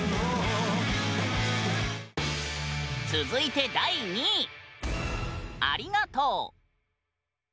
続いて第２位。